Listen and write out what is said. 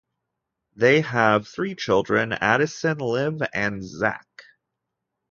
They have three children, Addison, Liv and Zach.